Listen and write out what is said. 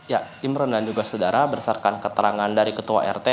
ya imron dan juga saudara bersarkan keterangan dari ketua art